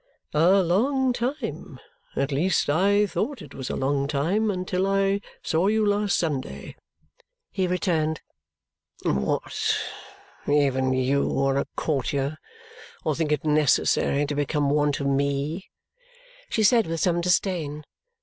"A long time. At least I thought it was a long time, until I saw you last Sunday," he returned. "What! Even you are a courtier, or think it necessary to become one to me!" she said with some disdain.